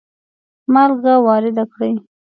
مالګه وارده کړي.